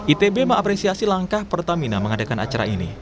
itb mengapresiasi langkah pertamina mengadakan acara ini